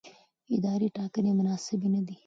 اداري ټاکنې مناسبې نه دي.